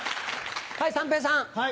はい三平さん。はい。